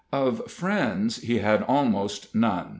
Of friends he had almost none.